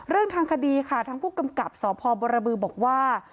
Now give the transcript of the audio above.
เรื่องทางคดีค่ะทั้งผู้กำกับศพบรบรบือบอกว่า